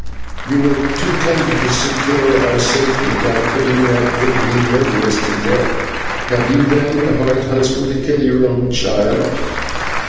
"You were too tender to secure our safety by putting that would be murderess to death; have you, then, the heart, husband, to kill your own child?"